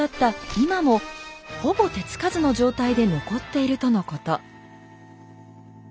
今もほぼ手つかずの状態で残っているとのこと。